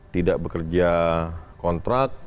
tidak bekerja kontrak